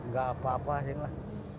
gak apa apa yaudah